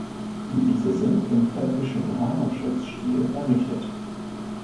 Diese sind im völkischen Heimatschutzstil errichtet.